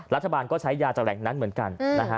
รัฐบาลก็ใช้ยาจากแหล่งนั้นเหมือนกันนะฮะ